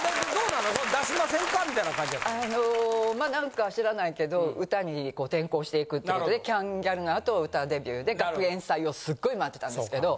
あのまあなんか知らないけど歌に転向していくっていう事でキャンギャルのあと歌デビューで学園祭をすっごい回ってたんですけど。